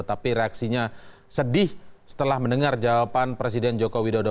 tapi reaksinya sedih setelah mendengar jawaban presiden joko widodo